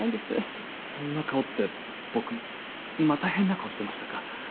そんな顔って僕また変な顔してましたか？